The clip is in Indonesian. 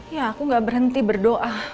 ya aku gak berhenti berdoa